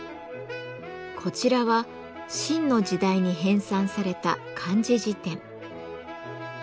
こちらは清の時代に編纂された漢字字典。